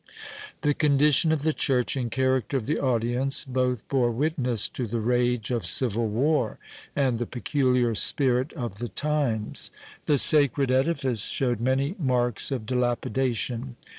The condition of the church and character of the audience both bore witness to the rage of civil war, and the peculiar spirit of the times. The sacred edifice showed many marks of dilapidation.